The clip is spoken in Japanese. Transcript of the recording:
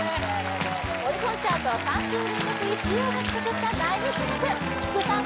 オリコンチャート３週連続１位を獲得した大ヒット曲福さん